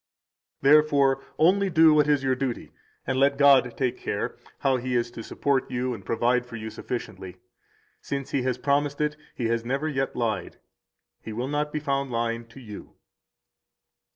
165 Therefore only do what is your duty, and let God take care how He is to support you and provide for you sufficiently. Since He has promised it, and has never yet lied, He will not be found lying to you.